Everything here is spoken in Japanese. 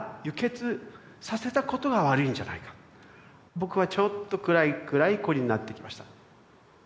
僕はちょっと暗い暗い子になっていきました。